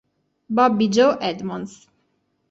Bobby Joe Edmonds